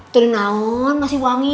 tuh di naon masih wangi